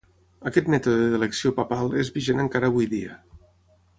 Aquest mètode d'elecció papal és vigent encara avui dia.